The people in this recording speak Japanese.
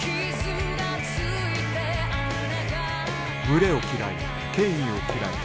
群れを嫌い権威を嫌い